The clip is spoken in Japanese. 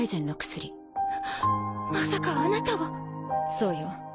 まさかあなたはそうよ